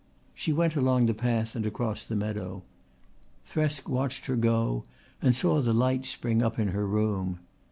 She went along the path and across the meadow. Thresk watched her go and saw the light spring up in her room.